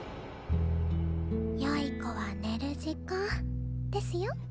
良い子は寝る時間ですよ？